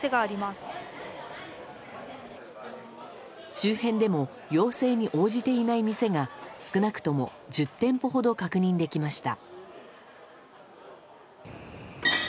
周辺でも要請に応じていない店が少なくとも１０店舗ほど確認できました。